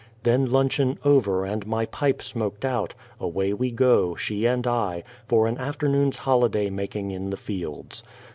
Then luncheon over and my pipe smoked out, away we go, she and I, for an afternoon's holiday making in the fields.